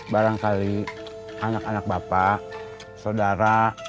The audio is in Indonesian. barangkali anak anak bapak saudara